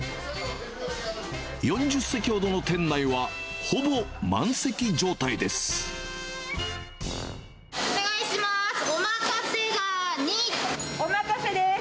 ４０席ほどの店内は、ほぼ満席状態です。